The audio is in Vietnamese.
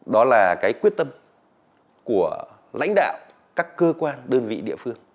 đó là cái quyết tâm của lãnh đạo các cơ quan đơn vị địa phương